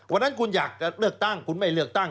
วันนั้นคุณอยากจะเลือกตั้งคุณไม่เลือกตั้ง